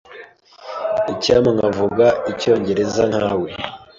Icyampa nkavuga Icyongereza nkawe.